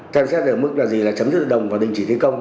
xem xét ở mức là gì là chấm tự đồng và đình chỉ thi công